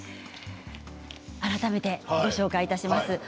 改めてご紹介いたします。